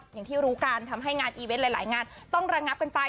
อย่างที่รู้กันทำให้งานอีเวนต์หลายงานต้องระงับกันไป